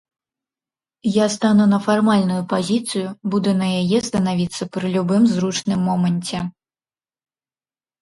Я стану на фармальную пазіцыю, буду на яе станавіцца пры любым зручным моманце.